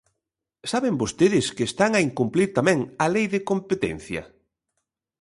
¿Saben vostedes que están a incumprir tamén a Lei de competencia?